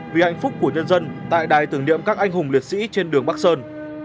vì hạnh phúc của nhân dân tại đài tưởng niệm các anh hùng liệt sĩ trên đường bắc sơn